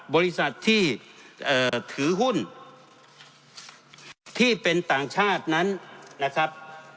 บริษัทที่ถือหุ้นที่เป็นต่างชาตินั้นนะครับ